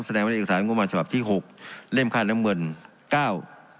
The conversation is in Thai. แสดงไว้ในเอกสารงบมานฉภาพที่หกเล่มคาดน้ำเงินเก้า